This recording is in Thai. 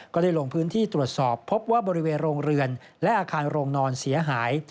ก็ได้ลงพื้นที่ตรวจสอบพบว่าบริเวณโรงเรือนและอาคารโรงนอนเสียหาย